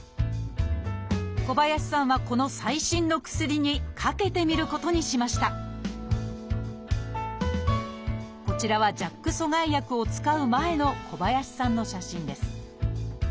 小林さんはこの最新の薬にかけてみることにしましたこちらはＪＡＫ阻害薬を使う前の小林さんの写真です。